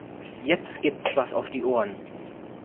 Jetzt gibt's was auf die Ohren.